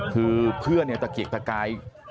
คือเพื่อนเนี่ยตะเกียกตะกาย